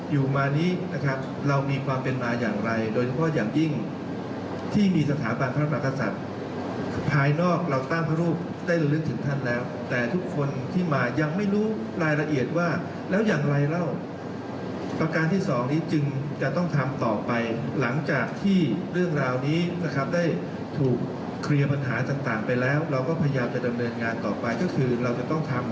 อยู่มานี้นะครับเรามีความเป็นมาอย่างไรโดยเฉพาะอย่างยิ่งที่มีสถาบันพระมหากษัตริย์ภายนอกเราตั้งพระรูปได้ระลึกถึงท่านแล้วแต่ทุกคนที่มายังไม่รู้รายละเอียดว่าแล้วอย่างไรเล่าประการที่สองนี้จึงจะต้องทำต่อไปหลังจากที่เรื่องราวนี้นะครับได้ถูกเคลียร์ปัญหาต่างไปแล้วเราก็พยายามจะดำเนินงานต่อไปก็คือเราจะต้องทำ